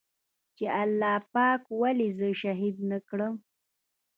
چې الله پاک ولې زه شهيد نه کړم.